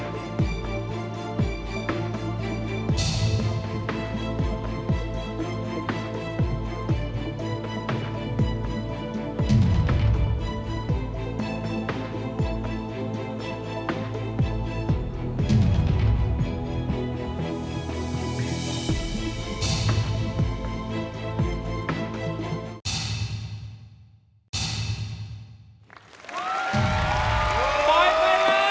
ตอนนี้ครับจะโดยเรียกความสงทม